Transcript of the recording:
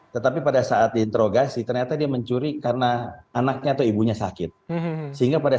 tetapi pada saat diinterogasi ternyata dia mencuri karena anaknya atau ibunya sakit sehingga pada